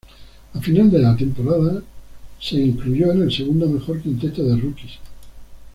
A final de la temporada fue incluido en el segundo mejor quinteto de rookies.